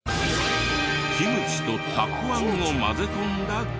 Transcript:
キムチとたくあんを混ぜ込んだご飯。